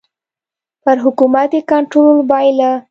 پر حکومت یې کنټرول بایله.